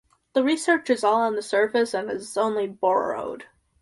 The research is all on the surface and is only borrowed.